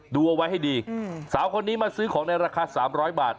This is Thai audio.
ดูเอาไว้ให้ดีสาวคนนี้มาซื้อของในราคา๓๐๐บาท